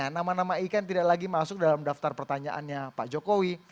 karena trauma makanya nama nama ikan tidak lagi masuk dalam daftar pertanyaannya pak jokowi